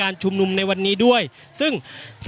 อย่างที่บอกไปว่าเรายังยึดในเรื่องของข้อ